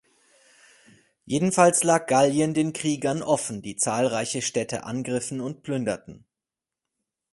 Jedenfalls lag Gallien den Kriegern offen, die zahlreiche Städte angriffen und plünderten.